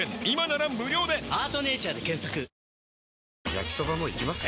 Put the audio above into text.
焼きソバもいきます？